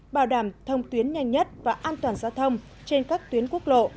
bảo đảm thông tuyến nhanh nhất và an toàn giao thông trên các tuyến quốc lộ